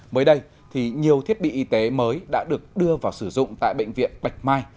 mới đây thì nhiều thiết bị y tế mới đã được đưa vào sử dụng tại bệnh viện bạch mai